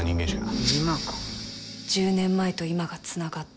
１０年前と今がつながった。